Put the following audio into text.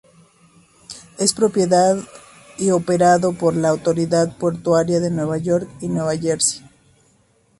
Es propiedad y operado por la Autoridad Portuaria de Nueva York y Nueva Jersey.